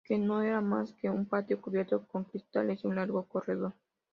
Que no era más que un patio cubierto con cristales y un largo corredor.